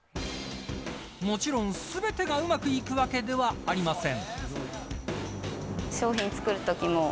もちろん全てがうまくいくわけではありません。